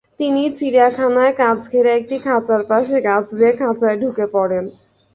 তিনি চিড়িয়াখানায় কাচঘেরা একটি খাঁচার পাশের গাছ বেয়ে খাঁচায় ঢুকে পড়েন।